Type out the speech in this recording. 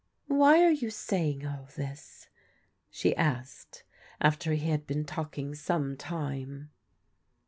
" Why are you saying all this ?" she asked, after he had been talking some time.